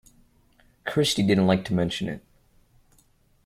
Kirsty didn’t like to mention it.